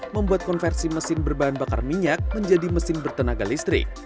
membuat konversi mesin berbahan bakar minyak menjadi mesin bertenaga listrik